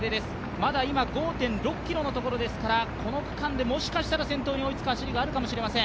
まだ今、５．６ｋｍのところですから、この区間でもしかしたら先頭に追いつく走りがあるかもしれません。